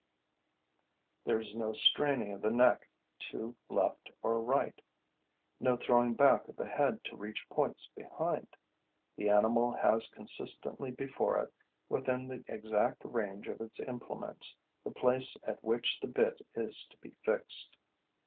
There is no straining of the neck to left or right, no throwing back of the head to reach points behind. The animal has constantly before it, within the exact range of its implements, the place at which the bit is to be fixed.